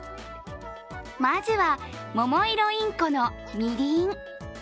まずはモモイロインコのみりん。